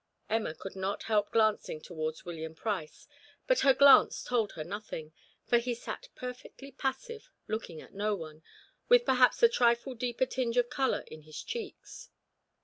Emma could not help glancing towards William Price, but her glance told her nothing, for he sat perfectly passive, looking at no one, with perhaps a trifle deeper tinge of colour in his cheeks.